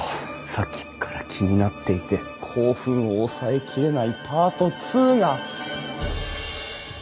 さっきっから気になっていて興奮を抑えきれないパート２が！